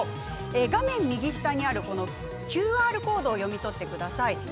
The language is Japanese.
画面右下にあるＱＲコードを読み取ってください。